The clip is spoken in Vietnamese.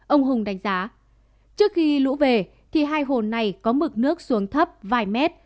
ông hùng đánh giá trước khi lũ về thì hai hồ này có mực nước xuống thấp vài mét